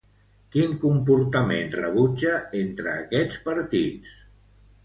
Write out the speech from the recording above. Quin comportament rebutja entre aquests partits?